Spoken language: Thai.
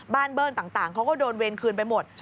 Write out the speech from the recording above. บ้านเบิ้ลต่างเขาก็โดนเวรคืนไปหมด